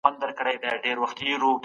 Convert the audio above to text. ایا د صنعتي کيدو پلانونه بریالي وو؟